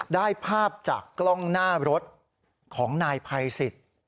ได้ภาพจากกล้องหน้ารถของนายภัยสิทธิ์